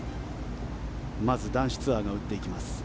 まず、男子ツアーが打っていきます。